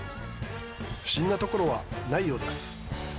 不審なところは、ないようです。